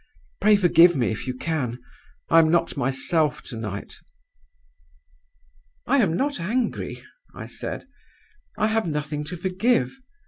Pray forgive me, if you can; I am not myself to night.' "'I am not angry,' I said; 'I have nothing to forgive.